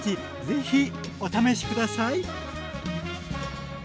ぜひお試し下さい。